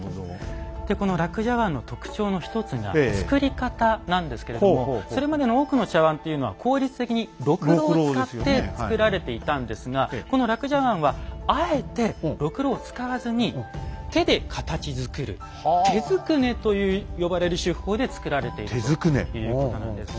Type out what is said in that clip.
でこの樂茶碗の特徴の一つが作り方なんですけれどもそれまでの多くの茶碗というのは効率的にろくろを使って作られていたんですがこの樂茶碗はあえてろくろを使わずに手で形づくる「手捏ね」と呼ばれる手法で作られているということなんです。